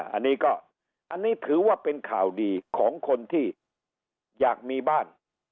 อันนี้ก็อันนี้ถือว่าเป็นข่าวดีของคนที่อยากมีบ้าน